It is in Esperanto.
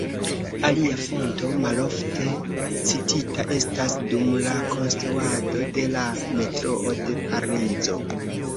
Alia fonto, malofte citita, estas dum la konstruado de la metroo de Parizo.